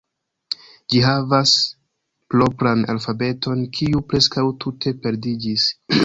Ĝi havas propran alfabeton, kiu preskaŭ tute perdiĝis.